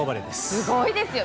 すごいですよ。